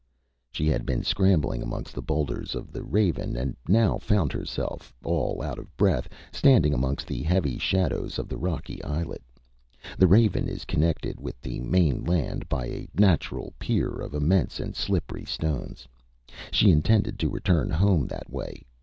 .. .Â She had been scrambling amongst the boulders of the Raven and now found herself, all out of breath, standing amongst the heavy shadows of the rocky islet. The Raven is connected with the main land by a natural pier of immense and slippery stones. She intended to return home that way.